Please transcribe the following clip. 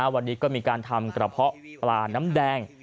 วันนี้ก็มีการทำกระเพาะปลาน้ำแดง